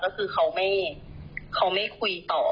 ก็คือเขาไม่คุยต่อ